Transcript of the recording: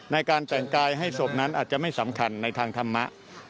ในการแต่งกายให้ศพนั้นอาจจะไม่สำคัญในทางธรรมะ